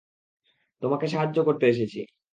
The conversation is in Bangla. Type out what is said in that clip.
তোমাকে সাহায্য করতে এসেছি।